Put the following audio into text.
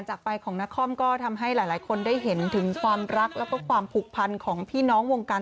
รักแล้วก็เคารพนักคล่อมสุดหัวใจจริงค่ะ